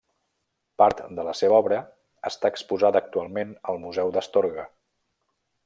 Part de la seva obra està exposada actualment al museu d'Astorga.